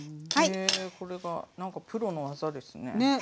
へえこれがなんかプロの技ですね。